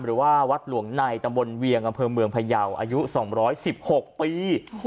หรือว่าวัดหลวงในตำบลเวียงอำเภอเมืองพยาวอายุ๒๑๖ปี